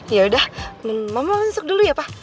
yaudah mama masuk dulu ya pa